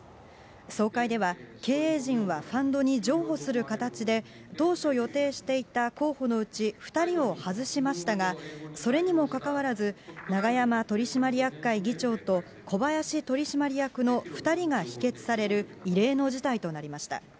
総会では、経営陣はファンドに譲歩する形で、当初予定していた候補のうち２人を外しましたが、それにもかかわらず、永山取締役議長と小林取締役の２人が否決される異例の事態となりました。